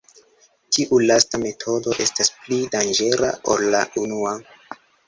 Tiu lasta metodo estas pli danĝera ol la unua.